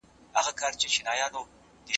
د خوب وخت مه ګډوډوه